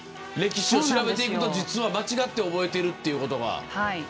歴史を調べていくと実は間違って覚えているということが。